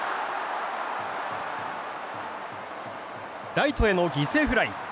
ライトへの犠牲フライ。